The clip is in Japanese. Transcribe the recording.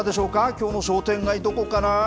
きょうの商店街、どこかな？